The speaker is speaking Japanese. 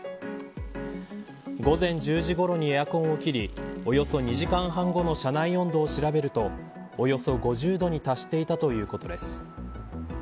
午前１０時ごろにエアコンを切りおよそ２時間半後の車内温度を調べるとおよそ５０度に達していたということです。